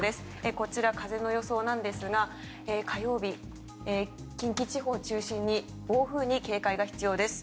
こちら、風の予想なんですが火曜日、近畿地方を中心に暴風に警戒が必要です。